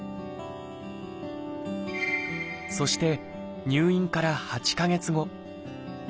そして入院から８か月後運